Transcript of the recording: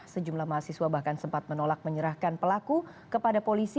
sejumlah mahasiswa bahkan sempat menolak menyerahkan pelaku kepada polisi